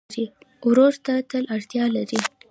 ورور ته تل اړتیا لرې.